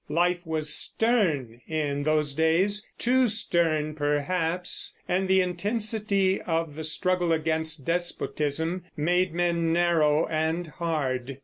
Life was stern in those days, too stern perhaps, and the intensity of the struggle against despotism made men narrow and hard.